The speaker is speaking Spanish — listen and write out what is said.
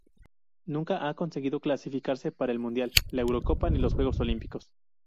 Nunca ha conseguido clasificarse para el Mundial, la Eurocopa ni los Juegos Olímpicos.